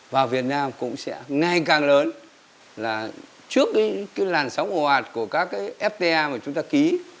với cái làn sóng hồ hạt của các fta mà chúng ta ký